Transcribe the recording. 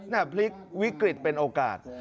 พลิกวิกฤตเป็นโอกาส